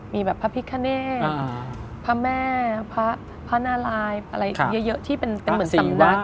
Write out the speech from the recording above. มีแบบพระพิคเนตพระแม่พระนารายอะไรเยอะที่เป็นเหมือนสำนัก